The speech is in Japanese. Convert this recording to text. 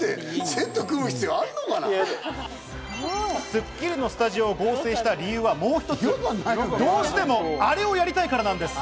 『スッキリ』のスタジオを合成した理由はもう一つ、どうしてもアレをやりたいからなんです。